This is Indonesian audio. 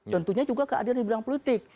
tentunya juga keadilan di bidang politik